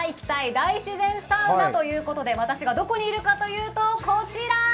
大自然サウナ」ということで私がどこにいるかというと、こちら！